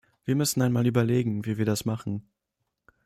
Wir müssen einmal überlegen, wie wir das machen.